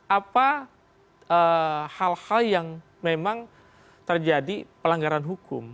apa hal hal yang memang terjadi pelanggaran hukum